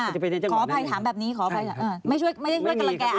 ขออภัยถามแบบนี้ไม่ได้ช่วยกำลังแก่อาร์มนะ